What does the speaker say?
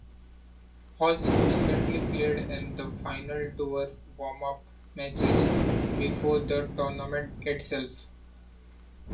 Hodge subsequently played in the final four warm-up matches before the tournament itself.